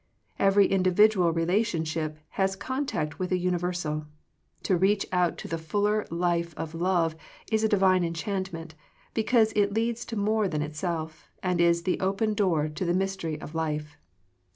Every individual relation ship has contact with a universal. To reach out to the fuller life of love is a divine enchantment, because it leads to more than itself, and is the open door into the mystery of life.